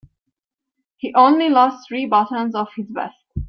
He only lost three buttons off his vest.